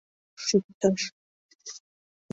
Шӱкташ!..